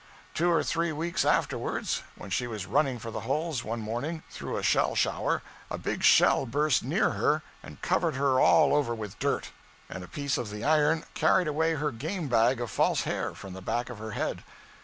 Two or three weeks afterwards, when she was running for the holes, one morning, through a shell shower, a big shell burst near her, and covered her all over with dirt, and a piece of the iron carried away her game bag of false hair from the back of her head.